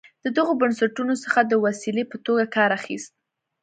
له دغو بنسټونو څخه د وسیلې په توګه کار اخیست.